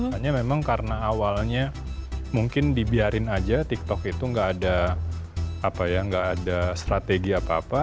hanya memang karena awalnya mungkin dibiarin aja tiktok itu nggak ada strategi apa apa